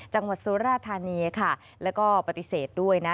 จังหวัดสุรธานียะค่ะแล้วก็ปฏิเสธด้วยนะ